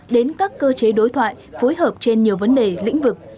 đến các cơ chế đối thoại phối hợp trên nhiều vấn đề lĩnh vực